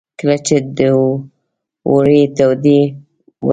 کله چې د اوړې تودې ورځې.